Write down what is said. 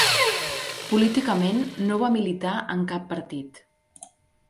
Políticament no va militar en cap partit.